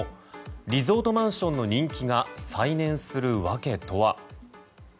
リゾートマンションの人気が再燃する訳とは。